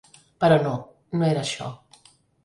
Però no, no era això.